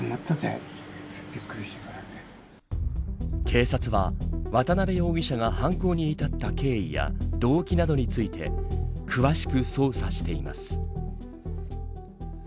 警察は渡部容疑者が犯行に至った経緯や動機などについて詳しく捜査しています。